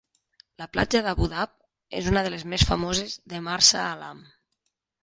La platja d'Abu Dabab és una de les més famoses de Marsa Alam.